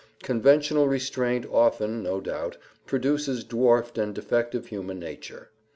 Conventional restraint often, no doubt, produces dwarfed and defective human nature.